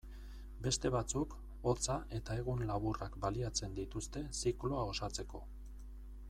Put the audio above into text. Beste batzuk, hotza eta egun laburrak baliatzen dituzte zikloa osatzeko.